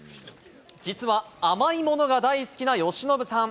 実は、甘いものが大好きな由伸さん。